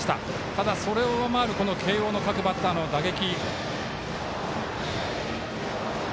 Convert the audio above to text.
ただ、それを上回る慶応の各バッターの打撃。